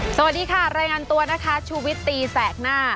สวัสดีค่ะรายงานตัวนะคะชูวิตตีแสกหน้า